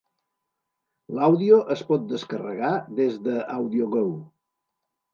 L"àudio es pot descarregar des de AudioGo.